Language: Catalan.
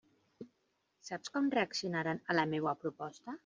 Saps com reaccionaren a la meua proposta?